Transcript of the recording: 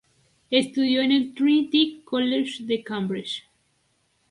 Estudió en el Trinity College de Cambridge.